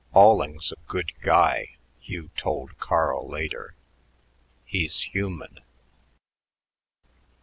"Alling's a good guy," Hugh told Carl later; "he's human."